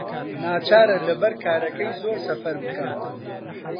ناچارە لەبەر کارەکەی زۆر سەفەر بکات.